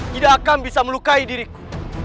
tidak akan bisa melukai diriku